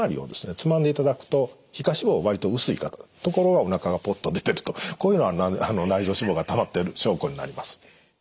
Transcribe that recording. つまんでいただくと皮下脂肪割と薄い方ところがおなかがポッと出てるとこういうのは内臓脂肪がたまってる証拠になります。